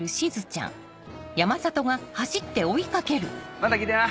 また来てな。